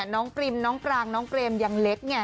น้องกริมน้องกรางน้องเกรมยังเล็ก